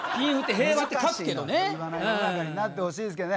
平和な世の中になってほしいですけどね。